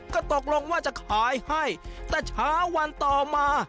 ก็ตกลงว่าจะขายให้แต่เช้าวันต่อมา